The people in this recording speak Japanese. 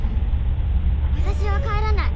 私は帰らない。